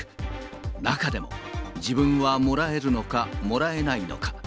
中でも、自分はもらえるのか、もらえないのか。